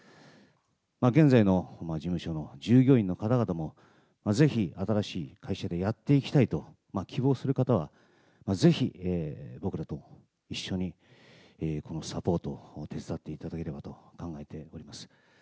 現在の事務所の従業員の方々も、ぜひ、新しい会社でやっていきたいと希望する方は、ぜひ、僕らと一緒にこのサポートを手伝っていただければと考えています。